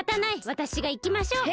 わたしがいきましょう！